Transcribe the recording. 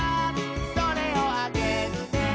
「それをあげるね」